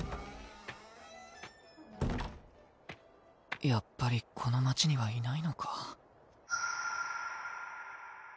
ガチャバタンやっぱりこの町にはいないのか。